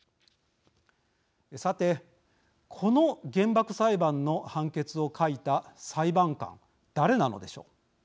さて、この原爆裁判の判決を書いた裁判官誰なのでしょう。